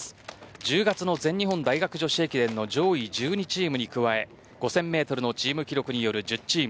１０月の全日本大学女子駅伝の上位１２チームに加え５０００メートルのチーム記録による１０チーム。